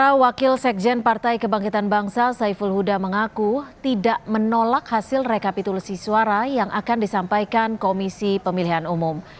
sementara wakil sekjen partai kebangkitan bangsa saiful huda mengaku tidak menolak hasil rekapitulasi suara yang akan disampaikan komisi pemilihan umum